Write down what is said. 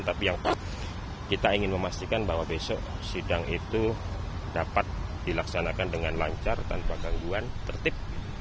tapi yang pak kita ingin memastikan bahwa besok sidang itu dapat dilaksanakan dengan lancar tanpa gangguan tertib